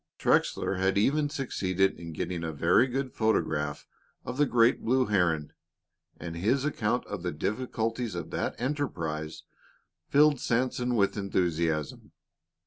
Trexler had even succeeded in getting a very good photograph of the great blue heron, and his account of the difficulties of that enterprise filled Sanson with enthusiasm.